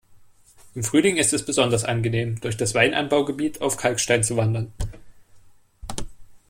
Im Frühling ist es besonders angenehm durch das Weinanbaugebiet auf Kalkstein zu wandern.